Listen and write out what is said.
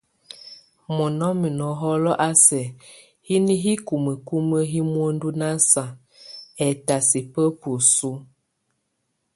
Munɔ́mɛ nɔhɔl a sɛk híni hikumukumu hɛ́ muendu nasa, étasɛ bá buesú.